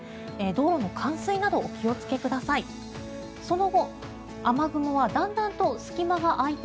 道路の冠水などお気をつけください。